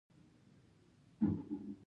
انرژي په جول کې سنجول کېږي.